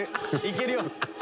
いけるよ。